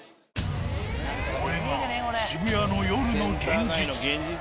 これが渋谷の夜の現実。